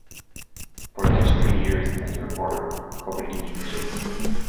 For the next three years as a reporter, he covered Indian issues.